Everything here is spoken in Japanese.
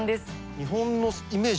日本のイメージ